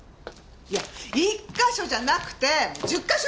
いや１か所じゃなくて１０か所以上！